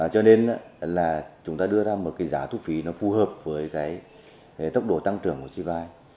cho nên chúng ta đưa ra một giá thu phí phù hợp với tốc độ tăng trưởng của chi vai